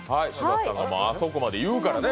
あそこまで言うからね。